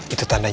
ini apa apa ref